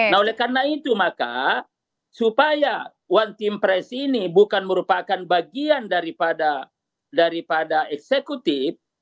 nah oleh karena itu maka supaya one team press ini bukan merupakan bagian daripada eksekutif